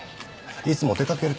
いつも出掛ける